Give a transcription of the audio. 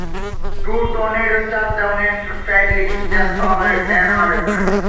Two tornadoes touched down in Fridley, just over an hour apart.